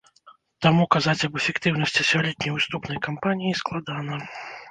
Таму казаць аб эфектыўнасці сёлетняй уступнай кампаніі складана.